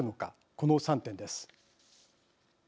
この３点です。